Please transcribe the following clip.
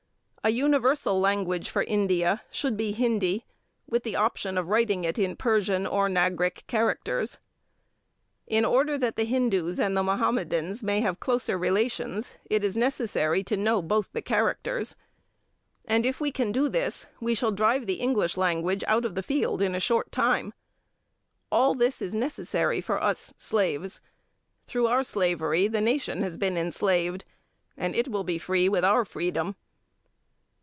A universal language for India should be Hindi, with the option of writing it in Persian or Nagric characters. In order that the Hindus and the Mahomedans may have closer relations, it is necessary to know both the characters. And, if we can do this, we can drive the English language out of the field in a short time. All this is necessary for us, slaves. Through our slavery the nation has been enslaved, and it will be free with our freedom.